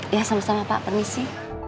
ya sama sama pak permisi